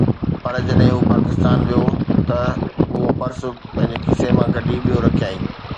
پر جڏهن هو پاڪستان ويو ته اهو پرس پنهنجي کيسي مان ڪڍي ٻيو رکيائين